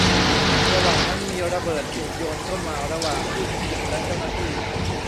ระหว่างนั้นมีระเบิดถูกโยนเข้ามาระหว่างผู้ชุมนุมและเจ้าหน้าที่